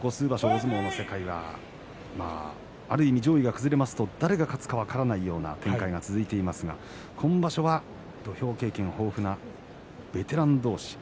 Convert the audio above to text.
大相撲の世界は、ある意味上位が崩れますと誰が勝つか分からないような展開が続いていますが今場所は土俵経験豊富なベテラン同士。